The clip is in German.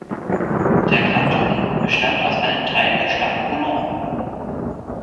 Der Kanton bestand aus einem Teil der Stadt Colombes.